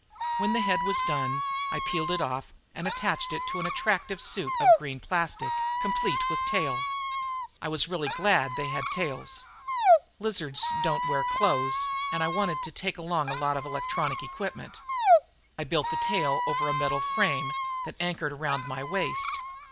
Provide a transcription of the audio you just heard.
When the head was done, I peeled it off and attached it to an attractive suit of green plastic, complete with tail. I was really glad they had tails. The lizards didn't wear clothes and I wanted to take along a lot of electronic equipment. I built the tail over a metal frame that anchored around my waist.